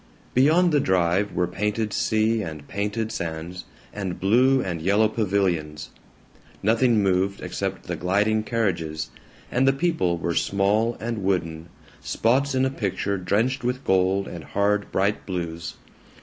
Beyond the drive were painted sea and painted sands, and blue and yellow pavilions. Nothing moved except the gliding carriages, and the people were small and wooden, spots in a picture drenched with gold and hard bright blues.